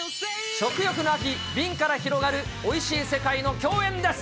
食欲の秋、瓶から広がるおいしい世界の競演です。